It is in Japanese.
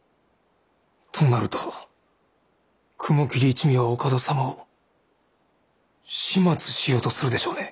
となると雲霧一味は岡田様を始末しようとするでしょうね。